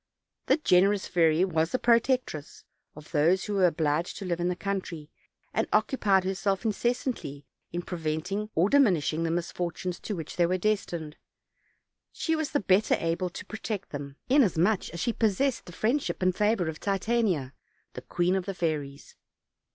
The generous fairy was the protectress of those who were obliged to live in the country, and occupied herself in cessantly in preventing or diminishing the misfortunes to which they were destined. She was the better able to protect them, inasmuch as she possessed the friendship and favor of Titania, the queen of the fairies.